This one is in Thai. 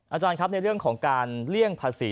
อาจารย์ครับในเรื่องของการเลี่ยงภาษี